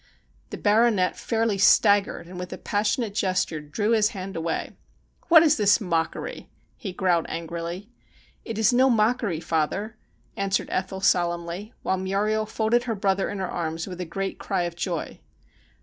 The Baronet fairly staggered, and with a passionate gesture drew his hand away. ' What is this mockery ?' he growled angrily. ' It is no mockery, father,' answered Ethel solemnly, while Muriel folded her brother in her arms with a great cry of joy.